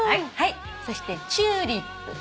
そしてチューリップ。